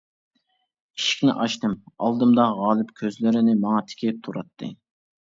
ئىشىكنى ئاچتىم، ئالدىمدا غالىپ كۆزلىرىنى ماڭا تىكىپ تۇراتتى.